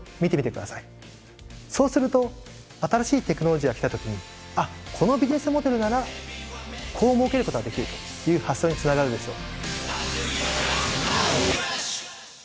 そうすると新しいテクノロジーが来た時にあっこのビジネスモデルならこうもうけることができるという発想につながるでしょう。